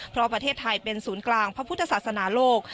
เพราะประเทศไทยเป็นศูนย์กลางพระพุทธศาสนาโลก